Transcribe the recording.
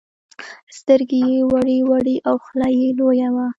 سترگې يې وړې وړې او خوله يې لويه وه.